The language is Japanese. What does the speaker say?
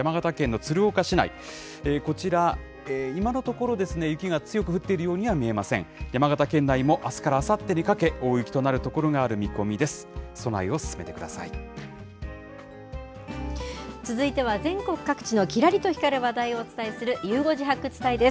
山形県内もあすからあさってにかけ、大雪となる所がある見込みです。